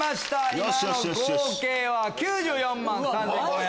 今の合計は９４万３５００円。